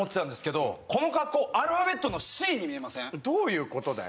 どういうことだよ？